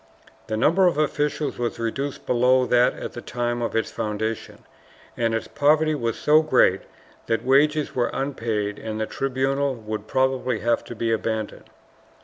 The number of officials was reduced below that at the time of its foundation, and its poverty was so great that wages were unpaid and the tribunal would probably have to be abandoned.